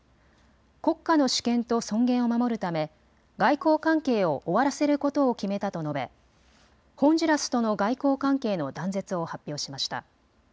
国家の主権と尊厳を守るため外交関係を終わらせることを決めたと述べホンジュラスとの外交関係の断絶を発表しました。